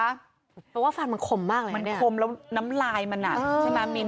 เพราะว่าฟันมันคมมากเลยมันคมแล้วน้ำลายมันอ่ะใช่ไหมมิน